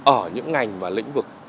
ở những ngành và lĩnh vực